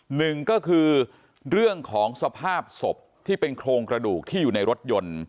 หนึ่งก็คือเรื่องของสภาพศพที่เป็นโครงกระดูกที่อยู่ในรถยนต์